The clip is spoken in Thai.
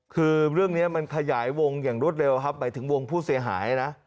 คือเรื่องนี้มันขยายวงอย่างรวดเร็วครับหมายถึงวงผู้เสียหายนะ